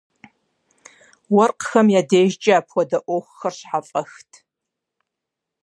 Уэркъхэм я дежкӀэ апхуэдэ Ӏуэхухэр щхьэфӀэхт.